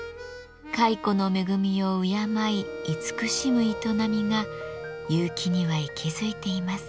蚕の恵みを敬い慈しむ営みが結城には息づいています。